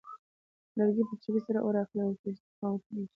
لرګي په چټکۍ سره اور اخلي او سوځي که پام ورته ونه شي.